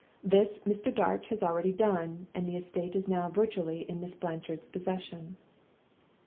This Mr. Darch has already done; and the estate is now virtually in Miss Blanchard's possession.